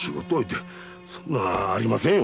そんなありませんよ！